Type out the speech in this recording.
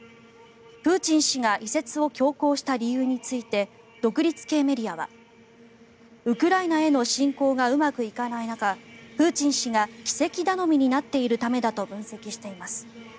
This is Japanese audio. プーチン氏が移設を強行した理由について独立系メディアはウクライナへの侵攻がうまくいかない中プーチン氏が奇跡頼みになっているためだと分析しています。